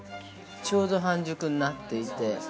ちょうど半熟になっていて。